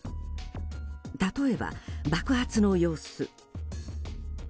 例えば、爆発の様子。